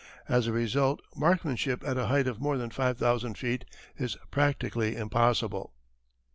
As a result marksmanship at a height of more than five thousand feet is practically impossible.